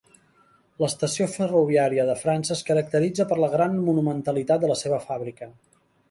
L'estació ferroviària de França es caracteritza per la gran monumentalitat de la seva fàbrica.